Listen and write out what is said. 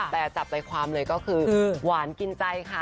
แต่จับใจความเลยก็คือหวานกินใจค่ะ